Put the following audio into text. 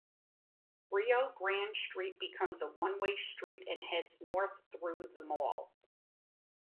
Rio Grande Street becomes a one-way street and heads north through the mall.